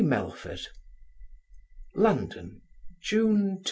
MELFORD LONDON, June 10.